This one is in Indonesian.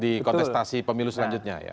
tidak tidak ikut di kontestasi pemilu selanjutnya ya